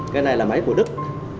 cái này là máy của đức